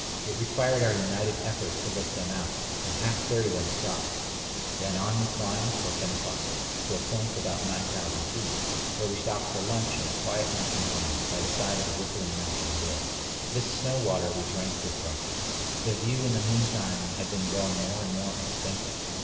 It required our united efforts to lift them out, and half carry them across. Then on we climbed till ten o'clock, to a point about 9000 feet, where we stopped for lunch in a quiet mountain glen, by the side of a rippling mountain rill. This snow water we drank with raki. The view in the mean time had been growing more and more extensive.